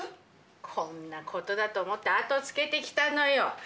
こんなことだと思って後つけてきたのよ！